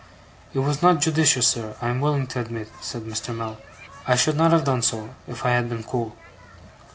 'It was not judicious, sir, I am willing to admit,' said Mr. Mell. 'I should not have done so, if I had been cool.